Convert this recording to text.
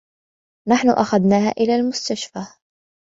نحن أخذناها إلي المستشفي.